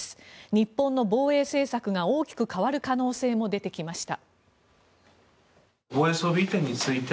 日本の防衛政策が大きく変わる可能性も出てきました。